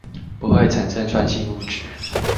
不會產生酸性物質